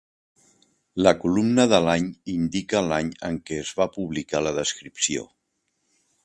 La columna de l'any indica l'any en què es va publicar la descripció.